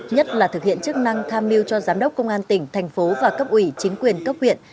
nhất là thực hiện chức năng tham mưu cho giám đốc công an tỉnh thành phố và cấp ủy chính quyền cấp huyện